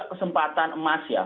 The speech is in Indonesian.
kesempatan emas ya